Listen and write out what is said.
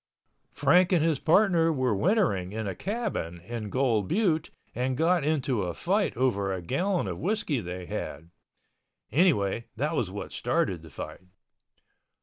Frank and his partner were wintering in a cabin in Gold Butte and got into a fight over a gallon of whiskey they had—anyway that was what started the fight.